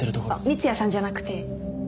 三ツ矢さんじゃなくて。